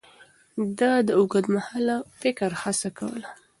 ده د اوږدمهاله فکر هڅه کوله.